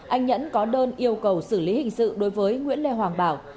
anh nhẫn có đơn yêu cầu xử lý hình sự đối với nguyễn lê hoàng bảo